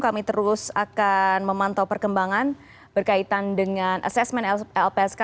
kami terus akan memantau perkembangan berkaitan dengan asesmen lpsk